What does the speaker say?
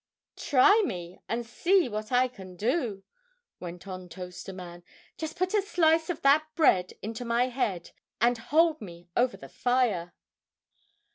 "Try me, and see what I can do," went on Toaster Man. "Just put a slice of that bread into my head, and hold me over the fire."